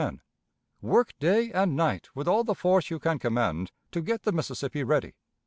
Work day and night with all the force you can command to get the Mississippi ready.